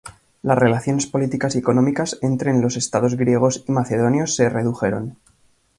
Las relaciones políticas y económicas entren los estados griegos y macedonios se redujeron.